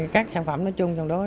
các sản phẩm nói chung trong đó